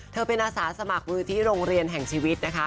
เธอเป็นอาสาสมัครมือที่โรงเรียนแห่งชีวิตนะคะ